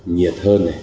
nhiệt hơn này